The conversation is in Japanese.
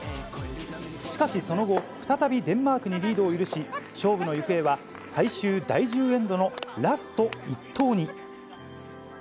しかしその後、再びデンマークにリードを許し、勝負の行方は最終第１０エンドのラスト１投に。